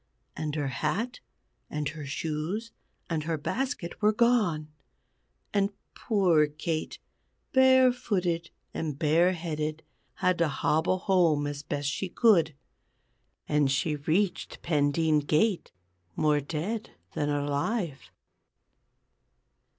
And her hat, and her shoes, and her basket were gone; and poor Kate, barefooted and bareheaded, had to hobble home as best she could. And she reached Pendeen gate more dead than alive.